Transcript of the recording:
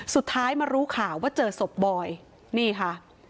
สุดท้ายมารู้ข่าวว่าเจอศพบอยนี่ค่ะ